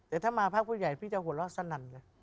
แต่ถ้ามาพักผู้ใหญ่พี่จะหัวเราะสนั่นเลย